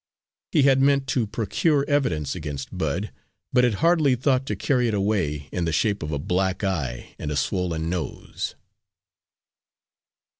He had meant to procure evidence against Bud, but had hardly thought to carry it away in the shape of a black eye and a swollen nose.